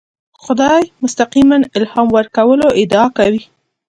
خدای مستقیماً الهام ورکولو ادعا کوي.